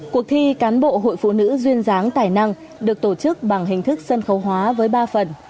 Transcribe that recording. cuộc thi cán bộ hội phụ nữ duyên giáng tài năng được tổ chức bằng hình thức sân khấu hóa với ba phần